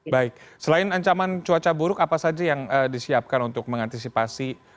baik selain ancaman cuaca buruk apa saja yang disiapkan untuk mengantisipasi